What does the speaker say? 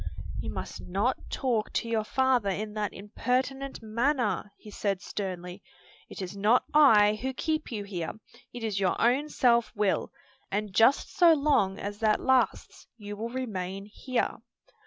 "You must not talk to your father in that impertinent manner," he said sternly. "It is not I who keep you here, it is your own self will; and just so long as that lasts you will remain here."